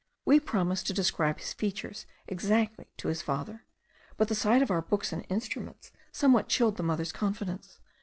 We promised to describe his features exactly to his father, but the sight of our books and instruments somewhat chilled the mother's confidence.